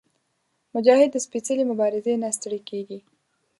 مجاهد د سپېڅلې مبارزې نه ستړی کېږي.